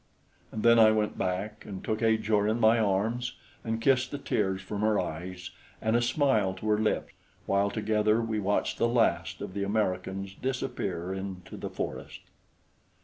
And then I went back and took Ajor in my arms and kissed the tears from her eyes and a smile to her lips while together we watched the last of the Americans disappear into the forest.